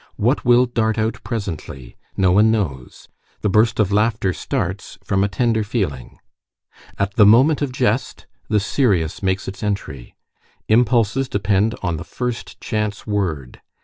What will dart out presently? No one knows. The burst of laughter starts from a tender feeling. At the moment of jest, the serious makes its entry. Impulses depend on the first chance word.